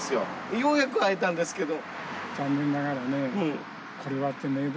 ようやく会えたんですけど。